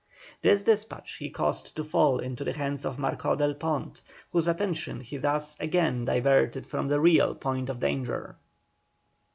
This despatch he caused to fall into the hands of Marcó del Pont, whose attention was thus again diverted from the real point of danger.